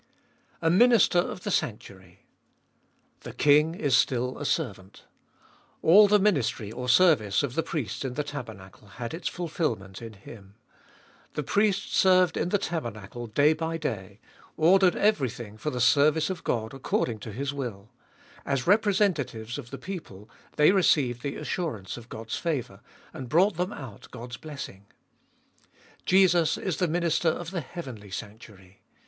A Minister of the sanctuary. The King is still a servant All the ministry or service of the priests in the tabernacle had its fulfilment in Him. The priests served in the tabernacle day by day, ordered everything for the service of God according to His will ; as representatives of the people they received the assurance of God's favour, and brought them out God's blessing. Jesus is the Minister of the heavenly sanctuary.